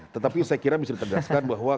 tetapi saya kira bisa ditegaskan bahwa